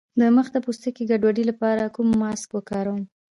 د مخ د پوستکي د ګډوډۍ لپاره کوم ماسک وکاروم؟